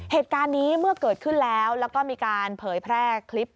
เหตุการณ์นี้เมื่อเกิดขึ้นแล้วแล้วก็มีการเผยแพร่คลิป